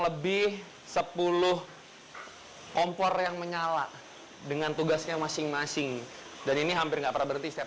lebih sepuluh kompor yang menyala dengan tugasnya masing masing dan ini hampir nggak pernah berhenti setiap